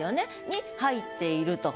「に入っている」と。